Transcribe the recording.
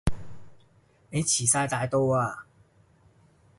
你遲哂大到啊